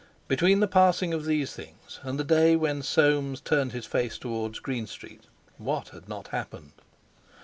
Between the passing of these things and the day when Soames turned his face towards Green Street, what had not happened!